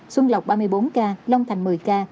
xuân lộc ba mươi bốn ca long thành một mươi ca